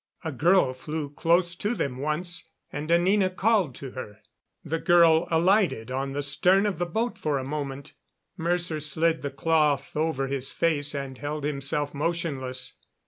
A girl flew close to them once, and Anina called to her. The girl alighted on the stern of the boat for a moment; Mercer slid the cloth over his face and held himself motionless.